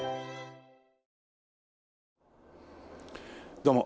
どうも。